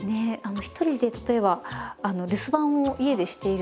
一人で例えば留守番を家でしているとき